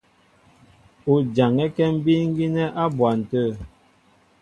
U jaŋɛ́kɛ́ mbíí gínɛ́ á bwan tə̂.